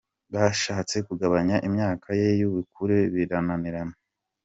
Bashatse kugabanya imyaka ye y’ubukure birananirana.